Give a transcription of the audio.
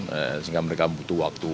sehingga mereka butuh waktu